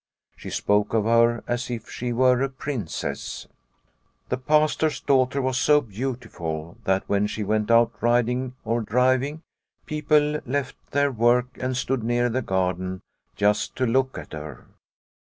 She spoke of her as if she were a princess. The Pastor's daughter was so beautiful that when she went out riding or driving people left their work and stood near the garden just to look at her.